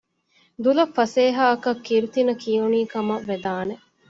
ދުލަށް ފަސޭހައަކަށް ކިރުތިނަ ކިޔުނީ ކަމަށް ވެދާނެ